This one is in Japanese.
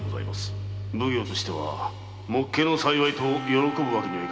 奉行としてはもっけの幸いと喜ぶわけにはいかぬな